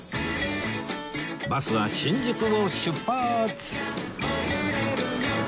バスは新宿を出発